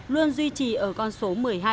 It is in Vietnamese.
luôn duy trì ở con số một mươi hai